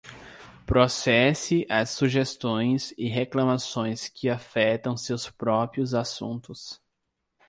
Processe as sugestões e reclamações que afetam seus próprios assuntos.